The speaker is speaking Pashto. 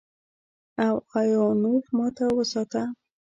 او ايوانوف ماته وساته.